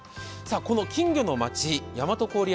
この金魚の町、大和郡山。